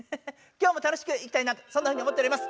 今日も楽しくいきたいなってそんなふうに思っております。